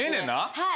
はい。